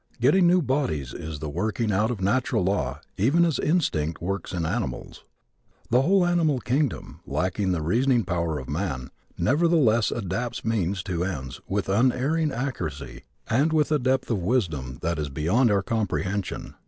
Getting new bodies is the working out of natural law even as instinct works in animals. The whole animal kingdom, lacking the reasoning power of man, nevertheless adapts means to ends with unerring accuracy and with a depth of wisdom that is beyond our comprehension.